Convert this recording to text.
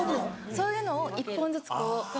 そういうのを１本ずつこう。